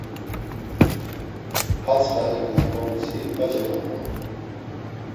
Patsxa eǩna gomtzi, va cemanǩolu.